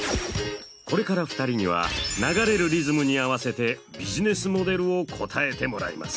これから２人には流れるリズムに合わせてビジネスモデルを答えてもらいます。